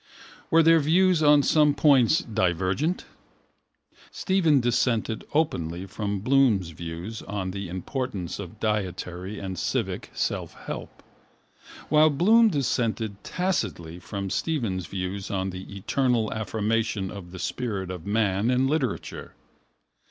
Were their views on some points divergent? Stephen dissented openly from Bloom's views on the importance of dietary and civic selfhelp while Bloom dissented tacitly from Stephen's views on the eternal affirmation of the spirit of man in literature.